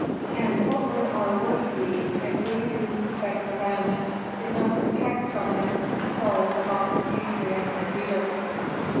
And what would our worth be if we who suspect revenge did not protect from it the soul of our compatriot and leader?"